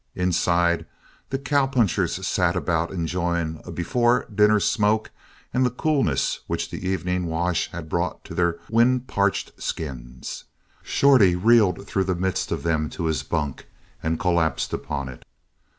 Inside, the cowpunchers sat about enjoying a before dinner smoke and the coolness which the evening wash had brought to their wind parched skins. Shorty reeled through the midst of them to his bunk and collapsed upon it.